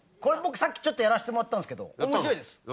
僕さっきちょっとやらしてもらったんですけど面白いです。